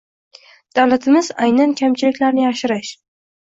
Davlatimiz aynan kamchiliklarni yashirish